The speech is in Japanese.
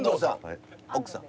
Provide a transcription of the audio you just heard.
奥さん？